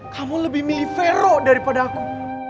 kamu lebih milih vero daripada aku